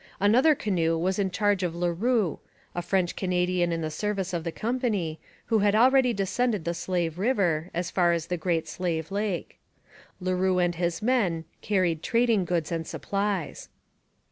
Another canoe was in charge of Leroux, a French Canadian in the service of the company, who had already descended the Slave river, as far as the Great Slave Lake. Leroux and his men carried trading goods and supplies.